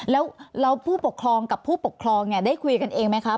แล้วผู้ปกครองกับผู้ปกครองเนี่ยได้คุยกันเองไหมคะ